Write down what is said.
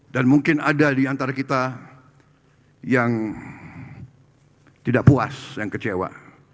dan mungkin ada diantara kita yang tidak puas yang kecewa